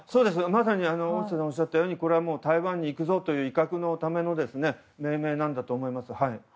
まさに、大下さんがおっしゃったように台湾に行くぞという威嚇のための命名なんだと思います。